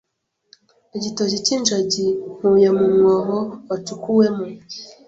igitoki cy’injagi nkuye mu mwobo wacukuwemo